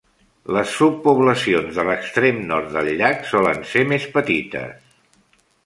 Les subpoblacions de l'extrem nord del llac solen ser més petites.